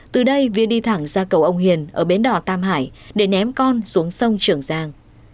từ đây viên đi thẳng ra cầu ông hiền ở bến đỏ tam hải để ném con xuống sông trường giang